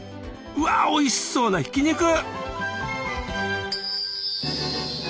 うわおいしそうなひき肉！